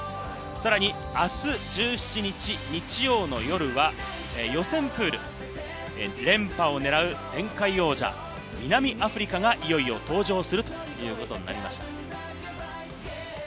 さらにあす１７日、日曜の夜は予選プール、２連覇を狙う前回王者・南アフリカがいよいよ登場するということになります。